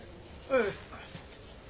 ええ。